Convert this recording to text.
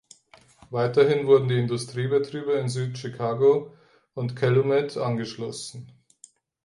Weiterhin wurden die Industriebetriebe in Süd-Chicago und Calumet angeschlossen.